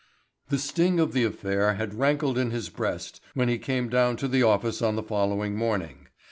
The sting of the affair still rankled in his breast when he came down to the office on the following morning.